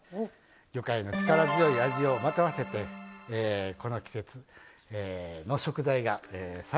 魚介の力強い味をまとわせてこの季節の食材がさらにおいしくなっていきます。